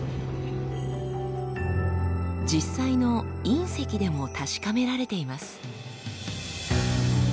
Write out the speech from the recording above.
実際の隕石でも確かめられています。